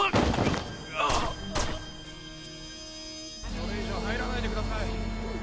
・それ以上入らないでください